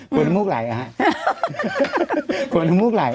ครอบครัวที่มูกหลาย